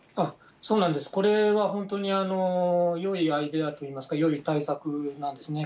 そうなんです、これは本当によいアイデアといいますか、よい対策なんですね。